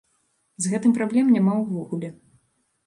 З гэтым праблем няма ўвогуле.